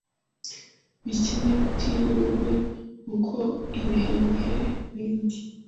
bikenebitirirwe uko ibihe bihe ibindi